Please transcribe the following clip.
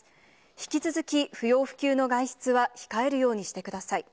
引き続き、不要不急の外出は控えるようにしてください。